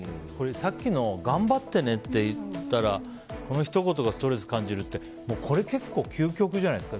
さっきの頑張ってねって言ったらこのひと言がストレス感じるってこれ結構、究極じゃないですか？